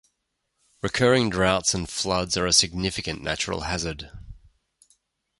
Recurring droughts and floods are a significant natural hazard.